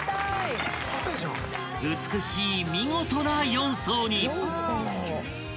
［美しい見事な４層に］